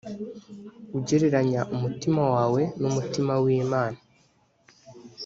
ugereranya umutima wawe n umutima w imana